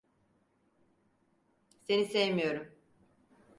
Seni sevmiyorum.